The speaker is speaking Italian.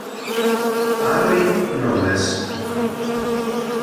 Harry Knowles